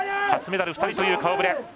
初メダル２人という顔ぶれ。